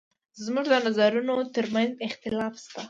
زموږ د نظرونو تر منځ اختلاف شته.